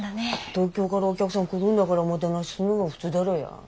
東京からお客さん来るんだからおもてなしすんのが普通だろや。